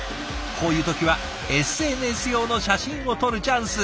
こういう時はＳＮＳ用の写真を撮るチャンス。